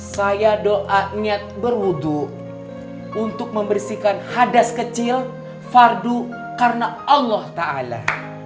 saya doa niat berwudu untuk membersihkan hadas kecil fardu karena allah ta'ala